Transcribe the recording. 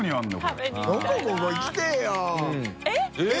えっ！？